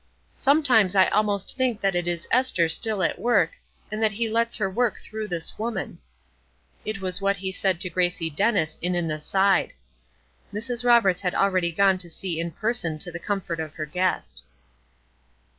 "Sometimes I almost think that it is Ester still at work, and that He lets her work through this woman." It was what he said to Gracie Dennis in an aside. Mrs. Roberts had already gone to see in person to the comfort of her guest.